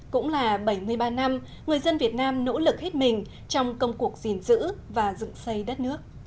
cũng là bảy mươi ba năm người dân việt nam nỗ lực hết mình trong công cuộc gìn giữ và dựng xây đất nước